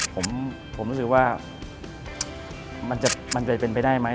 ผมรู้สึกว่ามันจะเป็นไปได้ไหม